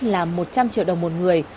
là một trăm linh triệu đồng một người